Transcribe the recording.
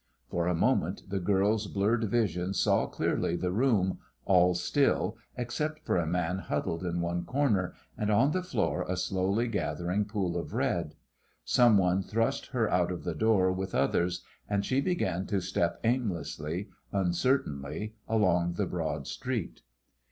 For a moment the girl's blurred vision saw clearly the room, all still, except for a man huddled in one corner, and on the floor a slowly gathering pool of red. Someone thrust her out of the door with others, and she began to step aimlessly, uncertainly, along the broad street.